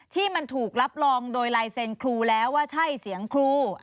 ที่มันถูกรับรองโดยลายเซ็นครูแล้วว่าใช่เสียงครู